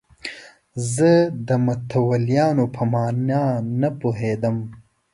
زه د متولیانو په معنی نه پوهېدم.